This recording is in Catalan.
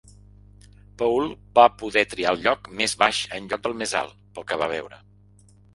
Paul va poder triar el lloc més baix en lloc del més alt, pel que va veure.